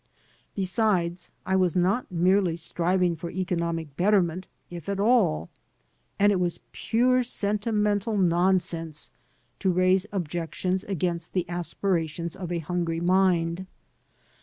Besides, I was not merely striving for economic betterment, if at all ; and it was pure senti mental nonsense to raise objections against the aspira tions of a hungry mind.